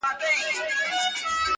او ابۍ به دي له کوم رنځه کړیږي!٫